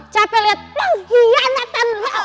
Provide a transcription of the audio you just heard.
capek liat pengkhianatan lo